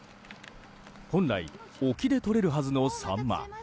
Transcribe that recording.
本来、沖でとれるはずのサンマ。